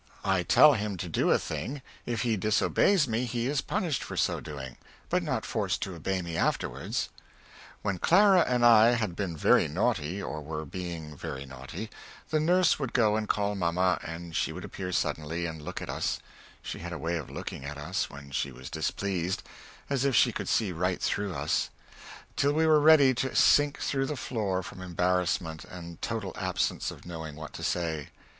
I tell him to do a thing if he disobeys me he is punished for so doing, but not forced to obey me afterwards. When Clara and I had been very nauty or were being very nauty, the nurse would go and call Mamma and she would appear suddenly and look at us (she had a way of looking at us when she was displeased as if she could see right through us) till we were ready to sink through the floor from embarasment, and total absence of knowing what to say.